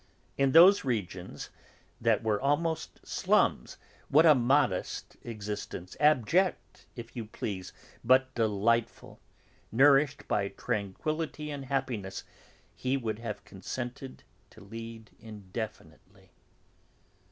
In those regions, that were almost slums, what a modest existence, abject, if you please, but delightful, nourished by tranquillity and happiness, he would have consented to lead indefinitely.